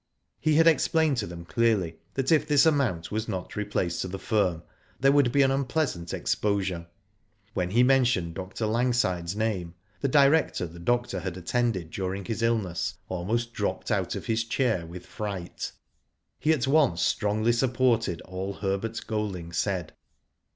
He had explained to them clearly that if this amount was not replaced to the firm, there would be an unpleasant exposure. When he mentioned Dr. Langside's name, the director the doctor had attended during his illness almost dropped out of his chair with fright. He at once strongly supported all Herbert Golding said.